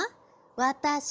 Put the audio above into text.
わたし。